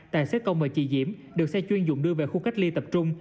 tài xế công và chị diễm được xe chuyên dụng đưa về khu cách ly tập trung